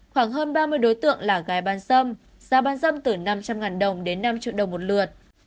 khoảng hơn ba mươi đối tượng là gái bán dâm giá bán dâm từ năm trăm linh đồng đến năm triệu đồng một lượt